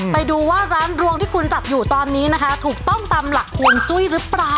ไปดูว่าร้านรวงที่คุณจัดอยู่ตอนนี้นะคะถูกต้องตามหลักฮวงจุ้ยหรือเปล่า